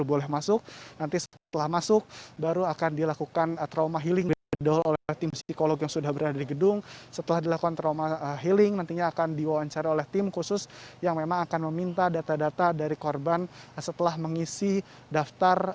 oke terima kasih